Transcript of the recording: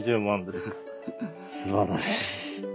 すばらしい。